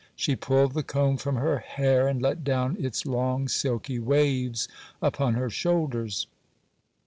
She pulled the comb from her hair, and let down its long silky waves upon her shoulders.